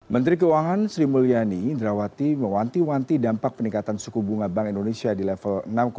menteri keuangan sri mulyani indrawati mewanti wanti dampak peningkatan suku bunga bank indonesia di level enam tujuh